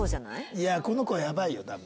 いやこの子はやばいよ多分。